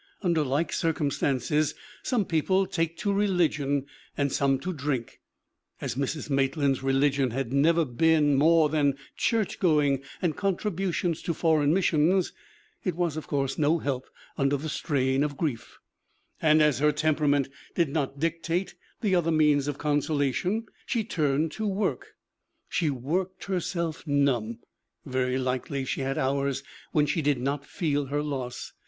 Under like cir cumstances some people take to religion and some to drink; as Mrs. Maitland's religion had never been more than church going and contributions to foreign missions, it was, of course, no help under the strain of grief; and as her temperament did not dictate the other means of consolation, she turned to work. She worked herself numb ; very likely she had hours when she did not feel her loss.